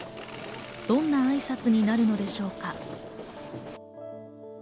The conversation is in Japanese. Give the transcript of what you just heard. どんなあいさつになるのでしょうか。